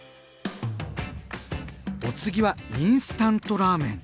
お次はインスタントラーメン！